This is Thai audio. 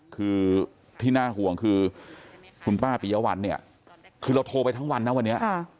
คือที่น่าห่วงคือคุณป้าปียวัลเนี่ยคือเราโทรไปทั้งวันนะวันนี้